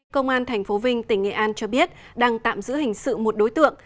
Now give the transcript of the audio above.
công an tp vinh tỉnh nghệ an cho biết đang tạm giữ hình sự một đối tượng